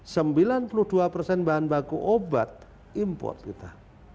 sembilan puluh dua persen bahan baku obat import kita